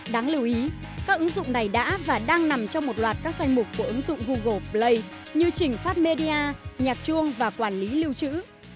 đáng lưu ý các ứng dụng này đã và đang nằm trong một loạt các danh mục của ứng dụng google play như trình phát media nhạc chuông và quản lý lưu trữ